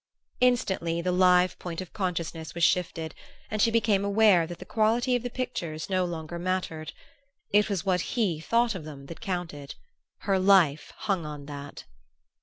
Instantly the live point of consciousness was shifted, and she became aware that the quality of the pictures no longer mattered. It was what he thought of them that counted: her life hung on that.